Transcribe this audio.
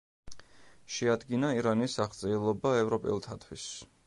შეადგინა ირანის აღწერილობა ევროპელთათვის.